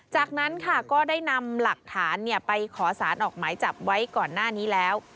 จากนั้นค่ะก็ได้นำหลักฐานไปขอสารออกหมายจับไว้ก่อนหน้านี้แล้ว